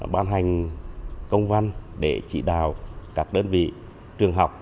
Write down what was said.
ban hành công văn để chỉ đào các đơn vị trường học